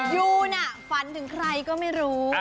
ยูน่ะฝันถึงใครก็ไม่รู้